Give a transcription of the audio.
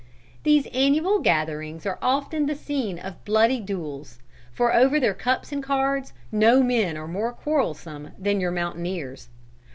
"These annual gatherings are often the scene of bloody duels, for over their cups and cards no men are more quarrelsome than your mountaineers.